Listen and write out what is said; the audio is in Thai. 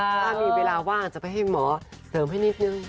ถ้ามีเวลาว่างจะไปให้หมอเสริมให้นิดนึง